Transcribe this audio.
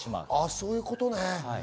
そういうことね。